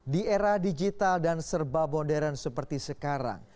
di era digital dan serba modern seperti sekarang